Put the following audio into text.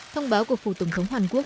thông báo của phủ tổng thống hàn quốc